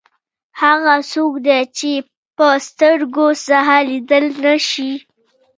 هغه څوک دی چې په سترګو څه لیدلی نه شي.